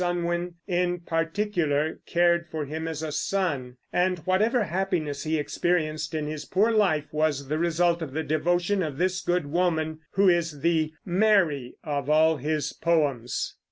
Unwin, in particular, cared for him as a son; and whatever happiness he experienced in his poor life was the result of the devotion of this good woman, who is the "Mary" of all his poems.